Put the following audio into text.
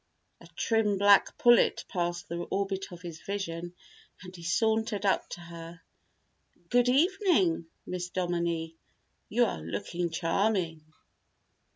A trim black pullet passed the orbit of his vision and he sauntered up to her. "Good evening, Miss Dominie. You are looking charming."